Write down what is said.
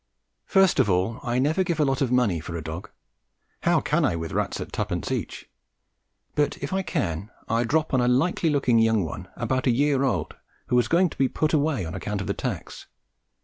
First of all, I never give a lot of money for a dog how can I with rats at twopence each? but, if I can, I drop on a likely looking young one about a year old who was going to be "put away" on account of the tax.